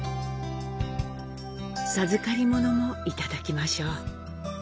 授かり物もいただきましょう。